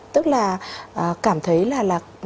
tức là cảm thấy là